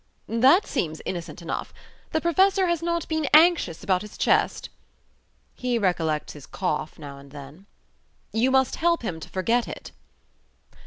"That seems innocent enough. The Professor has not been anxious about his chest?" "He recollects his cough now and then." "You must help him to forget it."